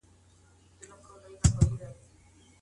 مه پرېږده چي پر ښځو ظلم وسي.